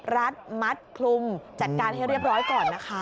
รัดมัดคลุมจัดการให้เรียบร้อยก่อนนะคะ